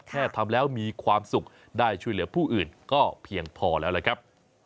แค่ทำแล้วมีความสุขได้ช่วยเหลือผู้อื่นก็เพียงพอแล้วล่ะครับ